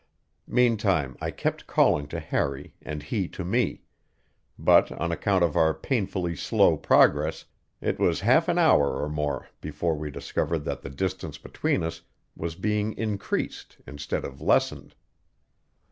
Meantime I kept calling to Harry and he to me; but, on account of our painfully slow progress, it was half an hour or more before we discovered that the distance between us was being increased instead of lessened.